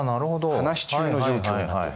話し中の状況になってる。